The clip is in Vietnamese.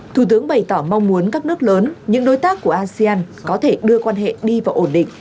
thủ tướng bày tỏ mong muốn các nước lớn những đối tác của asean có thể đưa quan hệ đi vào ổn định